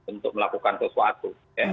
untuk melakukan sesuatu